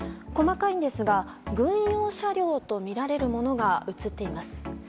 細かいんですが軍用車両とみられるものが写っています。